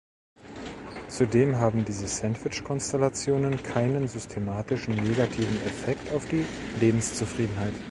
Zudem haben diese Sandwich-Konstellationen keinen systematischen negativen Effekt auf die Lebenszufriedenheit.